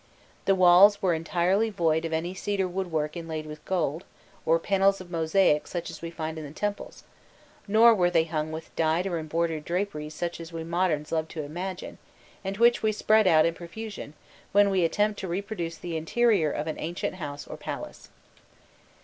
The walls were entirely void of any cedar woodwork inlaid with gold, or panels of mosaic such as we find in the temples, nor were they hung with dyed or embroidered draperies such as we moderns love to imagine, and which we spread about in profusion, when we attempt to reproduce the interior of an ancient house or palace.